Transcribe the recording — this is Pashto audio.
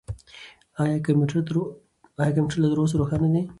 آیا کمپیوټر لا تر اوسه روښانه دی؟